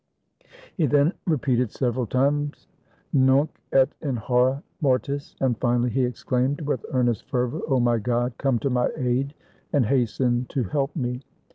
He then repeated several times, ^'Nunc et in Jiora mor tis"; and finally he exclaim.ed, with earnest fervor, "Oh, my God, come to my aid, and hasten to help me!"